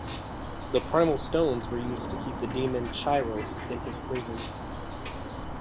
The Primal Stones were used to keep the demon Chiros in his prison.